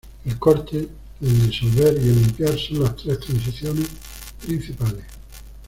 El corte, el disolver y el limpiar son las tres transiciones principales.